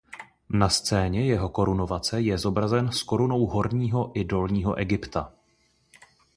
Na scéně jeho korunovace je zobrazen s korunou Horního i Dolního Egypta.